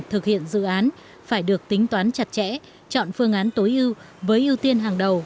thực hiện dự án phải được tính toán chặt chẽ chọn phương án tối ưu với ưu tiên hàng đầu